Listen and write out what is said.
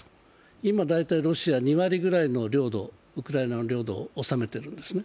今大体ロシア２割ぐらいのウクライナの領土をおさめているんですね。